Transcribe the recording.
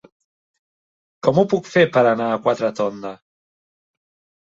Com ho puc fer per anar a Quatretonda?